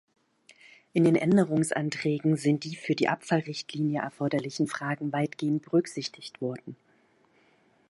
In den Änderungsanträgen sind die für die Abfallrichtlinie erforderlichen Fragen weitgehend berücksichtigt worden.